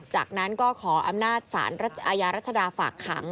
จากนั้นก็ขออำนาจสารอาญารัชดาฝากขัง